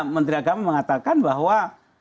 menteri agama mengatakan bahwa